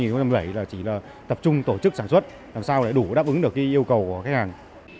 năm hai nghìn một mươi bảy là chỉ là tập trung tổ chức sản xuất làm sao để đủ đáp ứng được yêu cầu của khách hàng